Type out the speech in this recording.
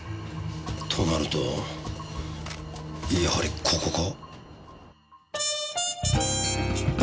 となるとやはりここか？